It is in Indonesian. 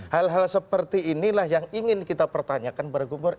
hal hal seperti inilah yang ingin kita pertanyakan bergumur